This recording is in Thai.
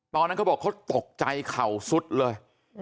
ตอนนั้นเขาบอกเขาตกใจเข่าสุดเลย